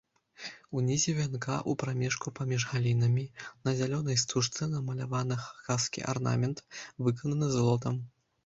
Унізе вянка, у прамежку паміж галінамі, на зялёнай стужцы намаляваны хакаскі арнамент, выкананы золатам.